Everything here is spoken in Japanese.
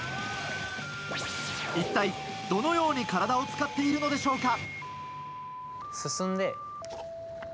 一体どのように体を使っているのでしょうか？